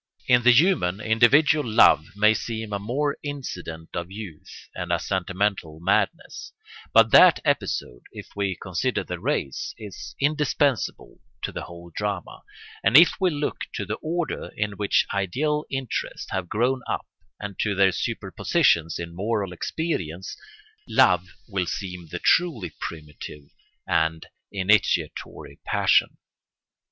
In the human individual love may seem a mere incident of youth and a sentimental madness; but that episode, if we consider the race, is indispensable to the whole drama; and if we look to the order in which ideal interests have grown up and to their superposition in moral experience, love will seem the truly primitive and initiatory passion.